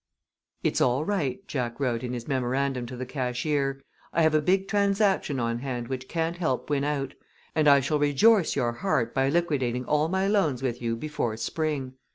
"It's all right," Jack wrote in his memorandum to the cashier. "I have a big transaction on hand which can't help win out, and I shall rejoice your heart by liquidating all my loans with you before spring.